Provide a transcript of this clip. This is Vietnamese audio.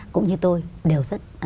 cũng như tôi đều rất